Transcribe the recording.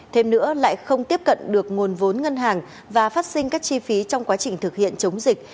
thêm nữa lại không tiếp cận được nguồn vốn ngân hàng và phát sinh các chi phí trong quá trình thực hiện chống dịch